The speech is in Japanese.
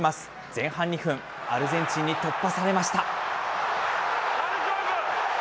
前半２分、アルゼンチンに突破されました。